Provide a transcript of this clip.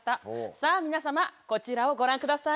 さあ皆様こちらをご覧ください。